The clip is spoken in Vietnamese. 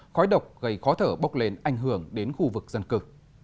khói độc gây khó thở bốc lên ảnh hưởng đến khu vực dân cư